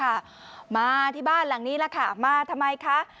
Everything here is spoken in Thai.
มากันเยอะเลยค่ะมาที่บ้านหลังนี้แล้วค่ะมาทำไมคะ